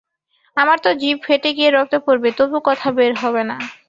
আমার তো জিব ফেটে গিয়ে রক্ত পড়বে তবু কথা বের হবে না।